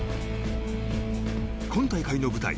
今大会の舞台